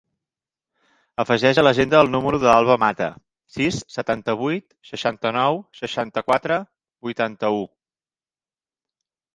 Afegeix a l'agenda el número de l'Alba Mata: sis, setanta-vuit, seixanta-nou, seixanta-quatre, vuitanta-u.